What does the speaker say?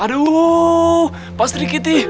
aduh pak sri kiti